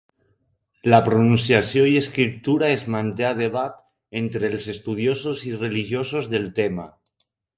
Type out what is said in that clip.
La pronunciació i escriptura es manté a debat entre els estudiosos i religiosos del tema.